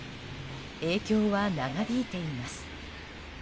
影響は長引いています。